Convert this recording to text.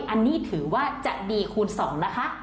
อันนี้ถือว่าจะดีคูณ๒นะคะ